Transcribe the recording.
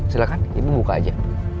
silahkan ibu buka aja